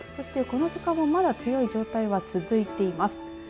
そして、この時間もまだ強い状態が続いています。